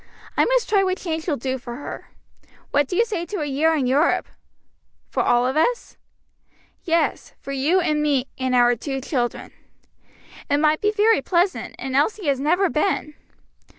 I must try what change will do for her. What do you say to a year in Europe?" "For all of us?" "Yes, for you and me and our two children." "It might be very pleasant, and Elsie has never been."